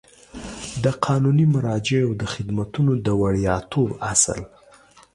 د قانوني مراجعو د خدمتونو د وړیاتوب اصل